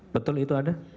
betul itu ada